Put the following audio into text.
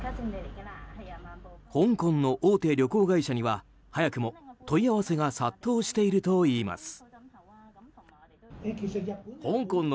香港の大手旅行会社には早くも問い合わせが殺到しているといいます。